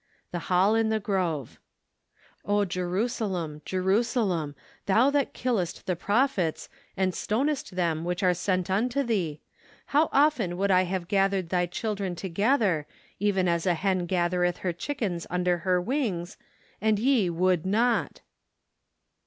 The Hall in the Grove. " O, Jerusalem, Jerusalem, thou that killest the prophets, and stonest them which are sent unto thee, how often would I have (lathered thy children to¬ gether, even as a hen gathereth her chickens under her icings, and ye would not